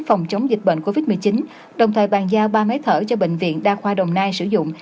phòng chống dịch bệnh covid một mươi chín đồng thời bàn giao ba máy thở cho bệnh viện đa khoa đồng nai sử dụng